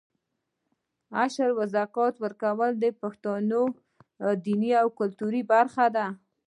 عشر او زکات ورکول د پښتنو دیني او کلتوري برخه ده.